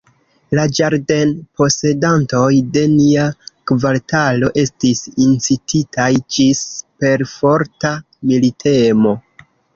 La ĝardenposedantoj de nia kvartalo estis incititaj ĝis perforta militemo.